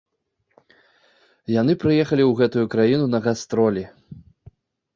Яны прыехалі ў гэтую краіну на гастролі.